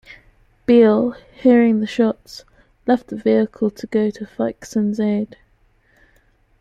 Beell, hearing the shots, left the vehicle to go to Fyksen's aid.